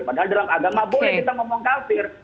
padahal dalam agama boleh kita ngomong kafir